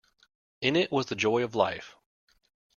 In it was the joy of life.